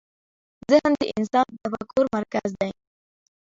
ذهن د انسان د تفکر مرکز دی.